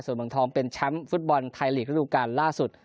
ส่วนบังทองเป็นช้ำฟุตบอลไทยหลีกรูปการณ์ล่าสุด